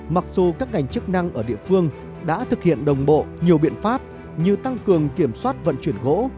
mặc dù các ngành chức năng ở địa phương đã thực hiện đồng bộ nhiều biện pháp như tăng cường kiểm soát vận chuyển gỗ